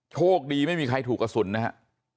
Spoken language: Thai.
โชคดีไม่มีใครถูกกระสุนนะฮะ